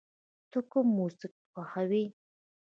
ته کوم موسیقی خوښوې؟